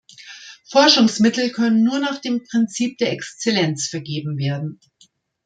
Forschungsmittel können nur nach dem Prinzip der Exzellenz vergeben werden.